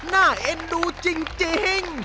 น่าเอ็นดูจริง